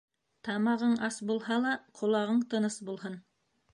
Тамағың ас булһа ла, ҡолағың тыныс булһын.